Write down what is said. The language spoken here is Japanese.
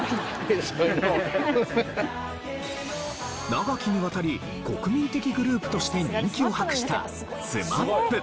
長きにわたり国民的グループとして人気を博したＳＭＡＰ。